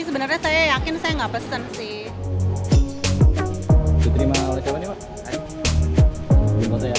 sebenarnya saya yakin saya nggak pesen sih terima kasih maksudnya hai belum mau sayang